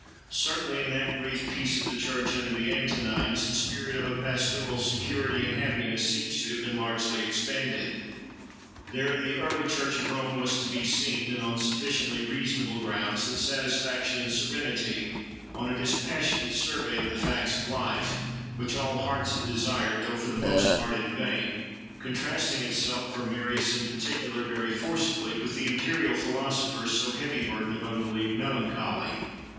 Certainly, in that brief "Peace of the church" under the Antonines, the spirit of a pastoral security and happiness seems to have been largely expanded. There, in the early church of Rome, was to be seen, and on sufficiently reasonable grounds, that satisfaction and serenity on a dispassionate survey of the facts of life, which all hearts had desired, though for the most part in vain, contrasting itself for Marius, in particular, very forcibly, with the imperial philosopher's so heavy burden of unrelieved melancholy.